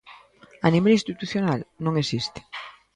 A nivel institucional, non existe.